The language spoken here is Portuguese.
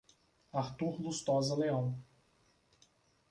Artur Lustosa Leao